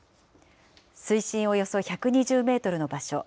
水深およそ１２０メートルの場所。